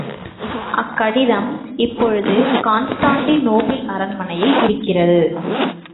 அக்கடிதம் இப்பொழுது கான்ஸ்டாண்டி நோபில் அரண்மனையில் இருக்கிறது.